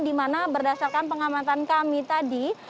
dimana berdasarkan pengamatan kami tadi